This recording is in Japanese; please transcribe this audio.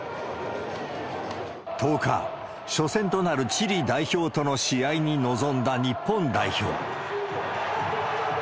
１０日、初戦となるチリ代表との試合に臨んだ日本代表。